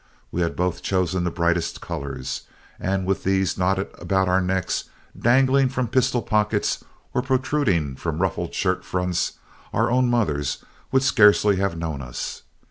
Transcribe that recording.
We had both chosen the brightest colors, and with these knotted about our necks, dangling from pistol pockets, or protruding from ruffled shirt fronts, our own mothers would scarcely have known us.